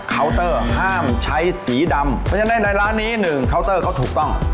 เตอร์ห้ามใช้สีดำเพราะฉะนั้นในร้านนี้หนึ่งเคาน์เตอร์เขาถูกต้อง